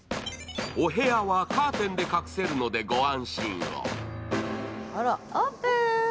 お部屋はカーテンで隠せるのでご安心を。